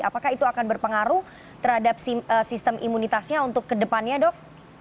apakah itu akan berpengaruh terhadap sistem imunitasnya untuk kedepannya dok